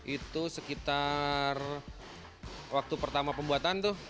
itu sekitar waktu pertama pembuatan tuh